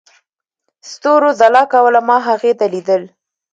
ستورو ځلا کوله، ما هغې ته ليدل.